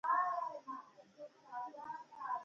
نږدې پېژندنه توپیر بدلوي.